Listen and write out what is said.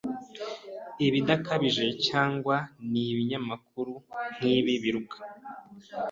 Ibidakabije cyangwa n ibinyamakuru nkibi biruka